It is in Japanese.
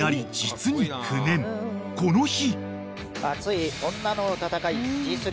［この日］